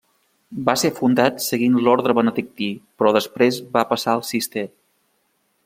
Va ser fundat seguint l'orde benedictí però després va passar al Cister.